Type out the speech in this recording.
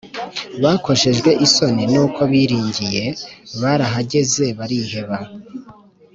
bakojejwe isoni n’uko biringiye, barahageze bariheba